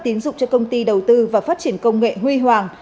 tín dụng cho công ty đầu tư và phát triển công nghệ huy hoàng